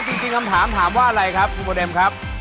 จริงคำถามถามว่าอะไรครับคุณประเด็มครับ